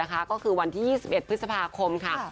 ก็คือวันที่๒๑พฤษภาคมค่ะ